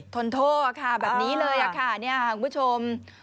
ทนโทษค่ะแบบนี้เลยค่ะเนี่ยค่ะคุณผู้ชม